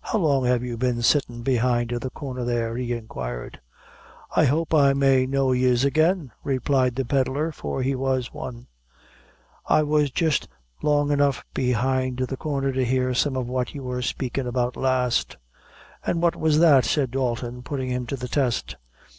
"How long have you been sittin' behind the corner there?" he inquired. "I hope I may know yez agin," replied the pedlar, for he was one; "I was jist long enough behind the corner to hear some of what you were spakin' about last." "An' what was that?" said Dalton, putting him to the test.